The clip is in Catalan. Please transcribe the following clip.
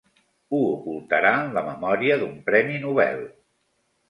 Ho ocultarà en la memòria d'un premi Nobel.